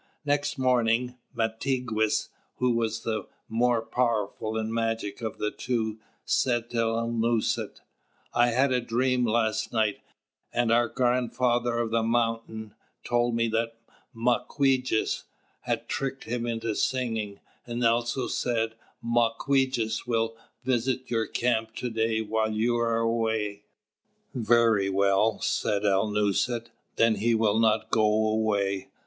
Next morning Mātigwess, who was the more powerful in magic of the two, said to Alnūset: "I had a dream last night, and our Grandfather of the Mountain told me that Mawquejess had tricked him into singing, and also said: 'Mawquejess will visit your camp to day while you are away!'" "Very well," said Alnūset, "then he will not go away.